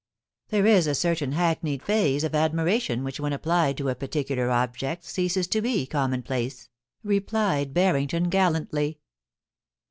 There is a certain hackneyed phase of admiration which when applied to a particular object ceases to be common place,' replied Barrington, gallantly.